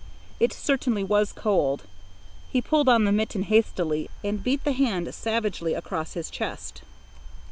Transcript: It certainly was cold. He pulled on the mitten hastily, and beat the hand savagely across his chest.